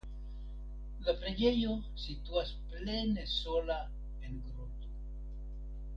La preĝejo situas plene sola en grundo.